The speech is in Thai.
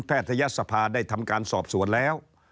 ทยศภาได้ทำการสอบสวนแล้ว